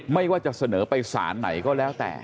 ไม่ว่าจะเสนอไปสารไหนก็แล้วแต่